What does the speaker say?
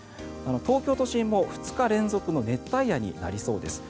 東京都心も２日連続の熱帯夜になりそうです。